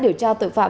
điều tra tội phạm